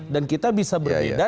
dan kita bisa berbeda